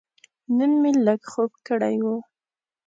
نن مې لږ خوب کړی و.